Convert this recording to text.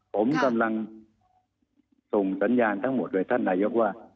ผมตำรงส่งสัญญาณทั้งหมด๑๒๐๐ด้วยท่านนายพุทธตำรวจ